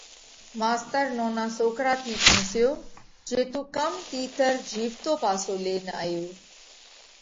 ماستر نونا سوڪرا ٿِي پونسيو: جي تُون ڪم تِيتر جِيوَتو پاسو لينَ آيو؟